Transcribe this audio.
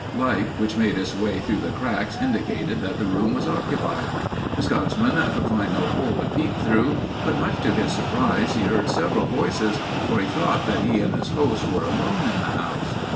Light which made its way through the cracks indicated that the room was occupied. The Scotchman could find no hole to peep through, but much to his surprise he heard several voices, for he thought that he and his host were alone in the house.